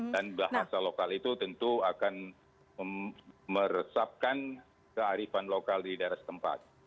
dan bahasa lokal itu tentu akan meresapkan kearifan lokal di daerah setempat